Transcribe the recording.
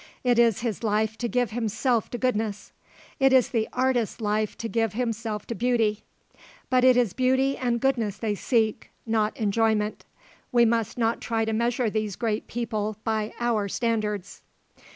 It is his life to give himself to goodness; it is the artist's life to give himself to beauty. But it is beauty and goodness they seek, not enjoyment; we must not try to measure these great people by our standards."